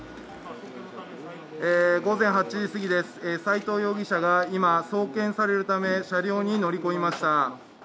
午前８時すぎです、斉藤容疑者が今、送検されるため車両に乗り込みました。